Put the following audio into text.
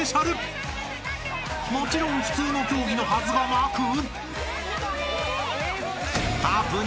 ［もちろん普通の競技のはずがなく］